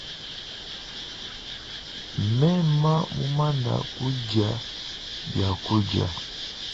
Mema mumana kudia bia kudia.